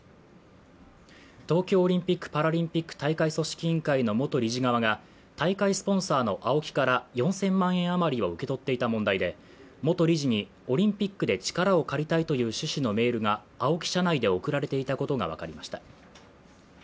東京オリンピック・パラリンピック大会組織委員会の元理事側が大会スポンサーのＡＯＫＩから４０００万円あまりを受け取っていた問題で、元理事に「オリンピックで力を借りたい」という趣旨のメールがＡＯＫＩ社内で送られていたことが分かりました。